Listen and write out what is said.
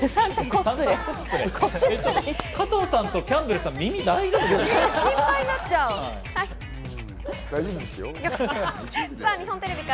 加藤さんとキャンベルさん、耳、大丈夫ですか？